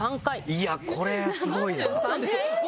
いやこれすごいわ。